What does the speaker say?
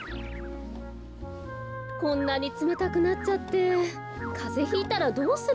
こんなにつめたくなっちゃってかぜひいたらどうするの？